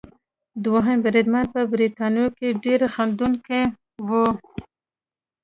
دوهم بریدمن په بریتونو کې ډېر خندوونکی وو.